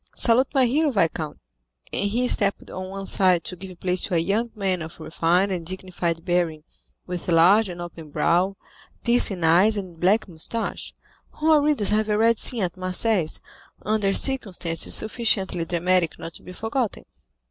Salute my hero, viscount." And he stepped on one side to give place to a young man of refined and dignified bearing, with large and open brow, piercing eyes, and black moustache, whom our readers have already seen at Marseilles, under circumstances sufficiently dramatic not to be forgotten.